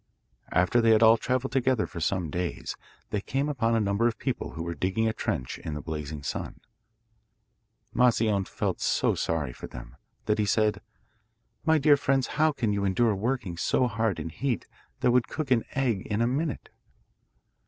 After they had all travelled together for some days, they came upon a number of people who were digging a trench in the blazing sun. Moscione felt so sorry for them, that he said: 'My dear friends, how can you endure working so hard in heat that would cook an egg in a minute?